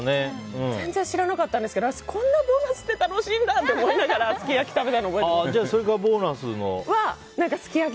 全然知らなかったんですけどこんなにボーナスって楽しいんだって思いながらすき焼き食べて。